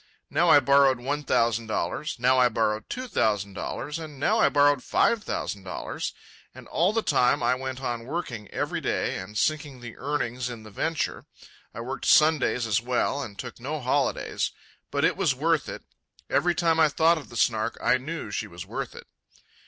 Now I borrowed one thousand dollars, now I borrowed two thousand dollars, and now I borrowed five thousand dollars. And all the time I went on working every day and sinking the earnings in the venture. I worked Sundays as well, and I took no holidays. But it was worth it. Every time I thought of the Snark I knew she was worth it.